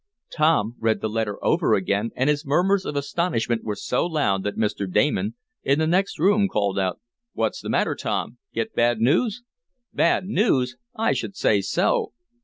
Tom read the letter over again, and his murmurs of astonishment were so loud that Mr. Damon, in the next room, called out: "What's the matter, Tom? Get bad news?" "Bad news? I should say so!